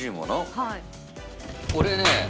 俺ね